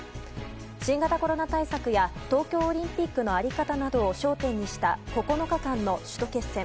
新型コロナ対策や東京オリンピックの在り方などを焦点にした９日間の首都決戦。